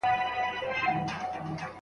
کله چې عرضه کمه سي، بیې لوړیږي.